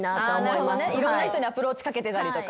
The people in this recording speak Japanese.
いろんな人にアプローチかけてたりとか？